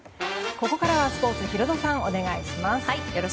ここからはスポーツヒロドさん、お願いします。